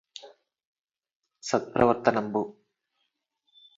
సత్ప్రవర్తనంబు